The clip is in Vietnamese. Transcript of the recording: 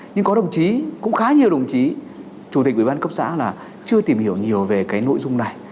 nhưng có đồng chí cũng khá nhiều đồng chí chủ tịch ủy ban cấp xã là chưa tìm hiểu nhiều về cái nội dung này